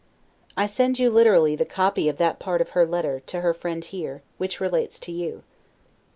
I send you, literally, the copy of that part of her letter, to her friend here, which relates to you.